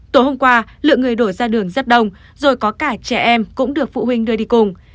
tối hôm qua lượng người đổ ra đường rất đông rồi có cả trẻ em cũng được phụ huynh đưa đi cùng